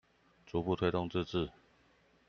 逐步推動自治